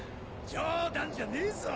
・冗談じゃねえぞ！